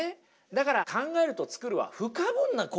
だから考えると作るは不可分な行為。